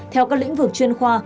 theo các lĩnh vực chuyên khoa